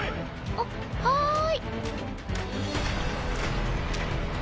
あっはい。